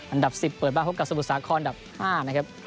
อันดับ๑๐เปิดบ้านพบกับสมุทรสาครดับ๕นะครับ